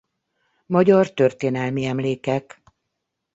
Magyar Történelmi Emlékek.